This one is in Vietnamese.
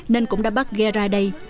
nên cũng đã bắt ghe ra đây